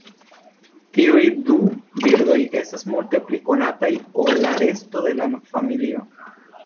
Tiuj du birdoj estas multe pli konataj ol la resto de la familio.